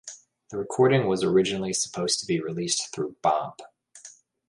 The recording was originally supposed to be released through Bomp!